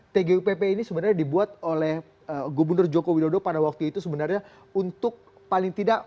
tgupp ini sebenarnya dibuat oleh gubernur jokowi dodo pada waktu itu sebenarnya untuk paling tidak